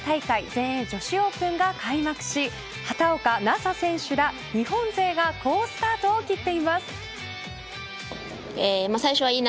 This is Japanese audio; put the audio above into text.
全英女子オープンが開幕し畑岡奈紗選手ら日本勢が好スタートを切っています。